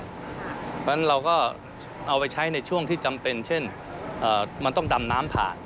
เพราะฉะนั้นเราก็เอาไปใช้ในช่วงที่จำเป็นเช่นมันต้องดำน้ำผ่าน